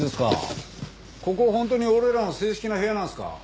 ここ本当に俺らの正式な部屋なんですか？